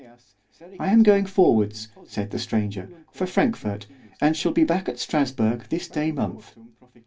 I am going forwards, said the stranger, for Frankfort——and shall be back at Strasburg this day month.